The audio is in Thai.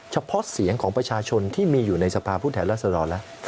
เฉพาะเสียงของประชาชนที่มีอยู่ในสภาพผู้แทนรัศดรแล้ว